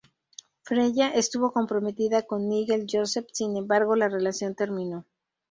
Freya estuvo comprometida con Nigel Joseph, sin embargo la relación terminó.